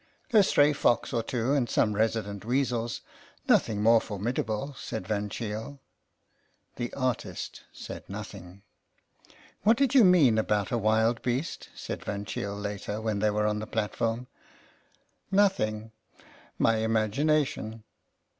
"A stray fox or two and some resident weasels. Nothing more formidable," said Van Cheele. The artist said nothing. " What did you mean about a wild beast ?" said Van Cheele later, when they were on the platform. '' Nothing. My imagination.